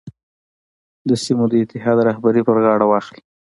د سیمو د اتحاد رهبري پر غاړه واخلي.